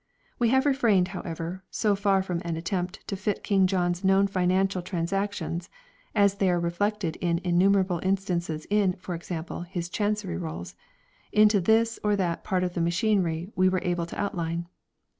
We have refrained, however, so far from any attempt to fit King John's known financial trans actions (as they are reflected in innumerable instances in, for example, his Chancery Rolls) into this or that part of the machinery we were able to outline.